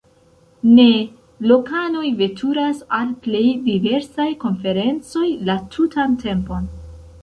Ne, lokanoj veturas al plej diversaj konferencoj la tutan tempon.